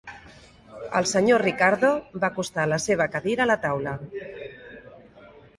El senyor Ricardo va acostar la seva cadira a la taula.